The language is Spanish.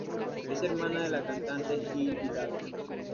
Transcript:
Es hermana de la cantante Jill Vidal.